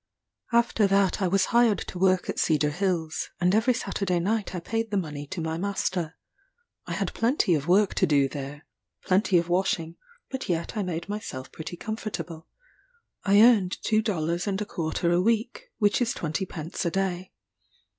After that I was hired to work at Cedar Hills, and every Saturday night I paid the money to my master. I had plenty of work to do there plenty of washing; but yet I made myself pretty comfortable. I earned two dollars and a quarter a week, which is twenty pence a day.